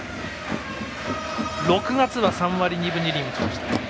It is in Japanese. ６月は３割２分２厘打ちました。